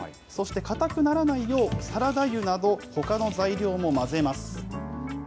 そして固くならないよう、サラダ油など、ほかの材料も混ぜます。